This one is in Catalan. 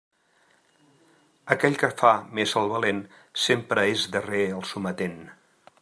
Aquell que fa més el valent, sempre és darrer el sometent.